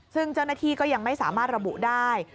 ซึ่งเจ้าหน้าที่ก็ยังไม่สามารถระบุได้